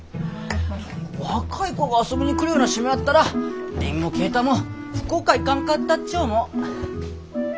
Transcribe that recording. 若い子が遊びに来るような島やったら凛も慶太も福岡行かんかったっち思う。